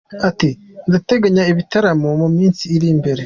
Ati : “Ndateganya ibitaramo mu minsi iri imbere.